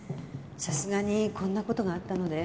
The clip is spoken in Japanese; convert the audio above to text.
さすがにこんな事があったので。